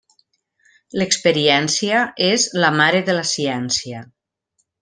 L'experiència és la mare de la ciència.